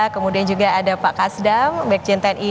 kemudian juga ada pak kasdam bekjen tni